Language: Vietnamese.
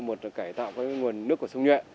một là cải tạo cái nguồn nước của súng nhệ